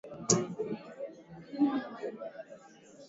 Karafuu hutumika kuua pia vidudu katika fizi meno ini na mapafu ngozi